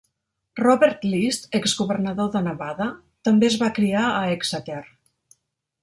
Robert List, exgovernador de Nevada, també es va criar a Exeter.